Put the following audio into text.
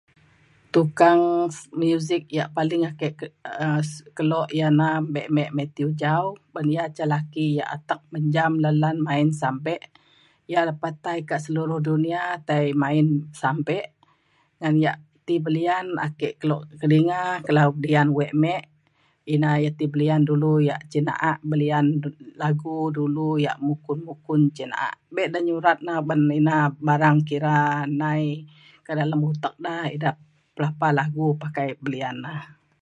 tukang muzik yak paling ake ke- u- ia’ na mbe Mathew Jau ban ia’ laki yak atek menjam lan lan main sape ia’ lepa tai kak seluruh dunia tai main sampe ngan yak belian ake kelo kedinga lau belian wek me. ina ti belian dulu yak cin na’a belian lagu yak dulu mukun mukun cin na’a. be da nyurat na uban ina barang kira nai atek ida pe- lagu pakai belian na.